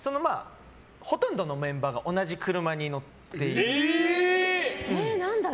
ほとんどのメンバーが同じ車に乗っているんです。